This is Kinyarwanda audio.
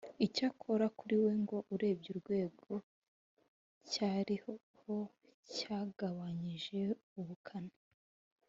Icyakora kuri we ngo urebye urwego cyariho cyagabanyije ubukana